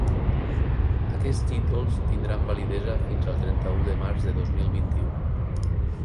Aquests títols tindran validesa fins al trenta-u de març de dos mil vint-i-u.